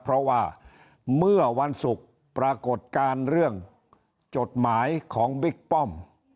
เพราะว่าเมื่อวันศุกร์ปรากฏการณ์เรื่องจดหมายของบิ๊กป้อม